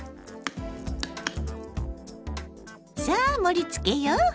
さあ盛りつけよう！